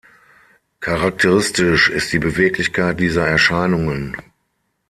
Charakteristisch ist die Beweglichkeit dieser Erscheinungen.